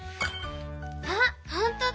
あほんとだ！